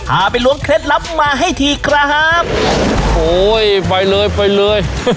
ไปล้วงเคล็ดลับมาให้ทีครับโอ้ยไปเลยไปเลย